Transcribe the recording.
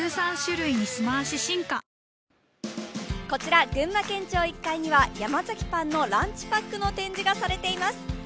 こちら群馬県庁１階には山崎パンのランチパックのポスターが展示されています。